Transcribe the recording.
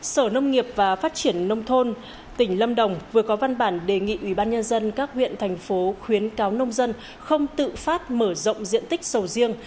sở nông nghiệp và phát triển nông thôn tỉnh lâm đồng vừa có văn bản đề nghị ubnd các huyện thành phố khuyến cáo nông dân không tự phát mở rộng diện tích sầu riêng